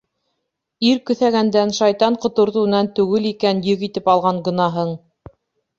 Ир көҫәгәндән, шайтан ҡотортоуынан түгел икән йөк итеп алған гонаһың.